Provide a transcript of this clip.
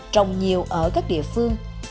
trồng nhiều ở các địa phương